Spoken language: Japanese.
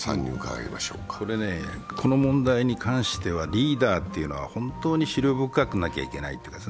この問題に関しては、リーダーというのは本当に思慮深くなきゃいけない。